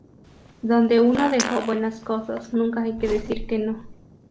Donde uno dejó buenas cosas nunca hay que decir que no.